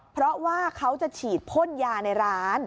เพราะว่าเขาจะฉีดพ่นยาในร้าน